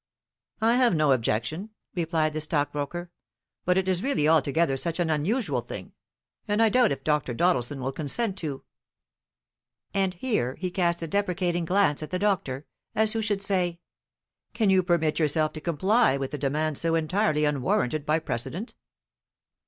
"I have no objection," replied the stockbroker; "but it is really altogether such an unusual thing, and I doubt if Dr. Doddleson will consent to " And here he cast a deprecating glance at the doctor, as who should say, "Can you permit yourself to comply with a demand so entirely unwarranted by precedent?"